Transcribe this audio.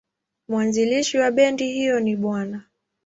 Mwanzilishi wa bendi hiyo ni Bw.